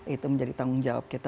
itu menjadi tanggung jawab kita